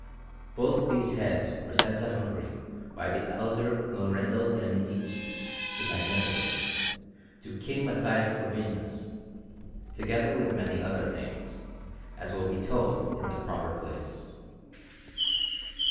Both these heads were sent to Hungary by the elder Lorenzo de' Medici, the Magnificent, to King Matthias Corvinus, together with many other things, as will be told in the proper place.